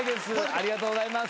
ありがとうございます。